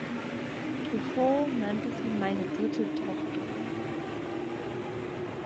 Truffaut nannte sie „meine dritte Tochter“.